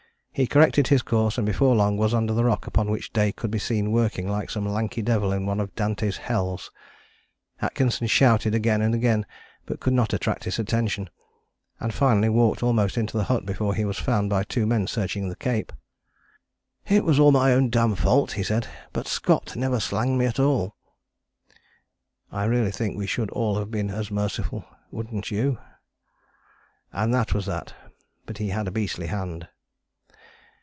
He corrected his course and before long was under the rock upon which Day could be seen working like some lanky devil in one of Dante's hells. Atkinson shouted again and again but could not attract his attention, and finally walked almost into the hut before he was found by two men searching the Cape. "It was all my own damned fault," he said, "but Scott never slanged me at all." I really think we should all have been as merciful! Wouldn't you? And that was that: but he had a beastly hand.